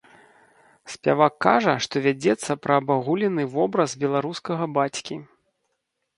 Спявак кажа што вядзецца пра абагулены вобраз беларускага бацькі.